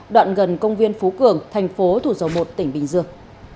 đoạn gần công viên phú cường tp thủ dầu một tỉnh bình dương